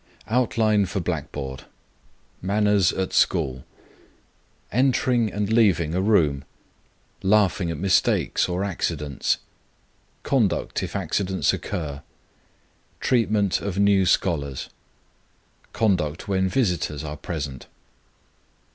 OUTLINE FOR BLACKBOARD. MANNERS AT SCHOOL. Entering and leaving room. Laughing at mistakes or accidents. Conduct if accidents occur. Treatment of new scholars. _Conduct when visitors are present.